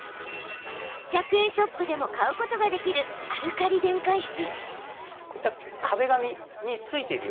１００円ショップでも買うことができるアルカリ電解水。